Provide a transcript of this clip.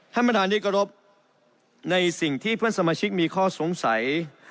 ท่านประธานที่กรบในสิ่งที่เพื่อนสมาชิกมีข้อสงสัย